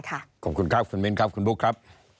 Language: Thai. ขอบคุณครับคุณมิ้นครับคุณบุ๊คครับ